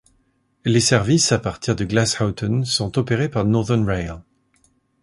Les services à partir de Glasshoughton sont opérés par Northern Rail.